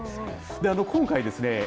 今回ですね